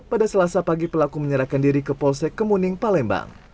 pada selasa pagi pelaku menyerahkan diri ke polsek kemuning palembang